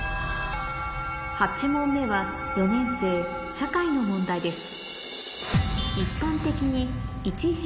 ８問目は４年生社会の問題です